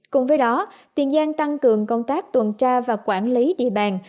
cùng với đó tiền giang tăng cường công tác tuần tra và quản lý địa bàn